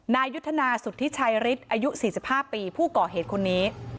นายุทธนาสุธิชัยฤทธิ์อายุ๔๕ปีผู้ก่อเหตุคนนี้